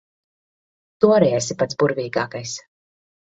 Tu arī esi pats burvīgākais.